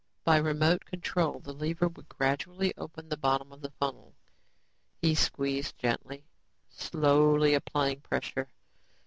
By remote control, the lever would gradually open the bottom of the funnel. He squeezed gently, slowly applying pressure.